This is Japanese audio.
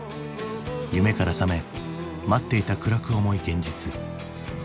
夢から覚め待っていた暗く重い現実。